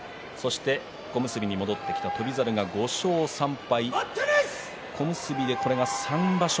小結に戻ってきた翔猿が５勝３敗。